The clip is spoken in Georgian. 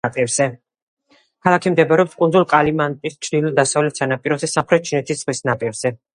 ქალაქი მდებარეობს კუნძულ კალიმანტანის ჩრდილო-დასავლეთ სანაპიროზე, სამხრეთ ჩინეთის ზღვის ნაპირზე.